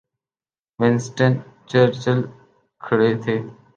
Winston Churchill کھڑے تھے۔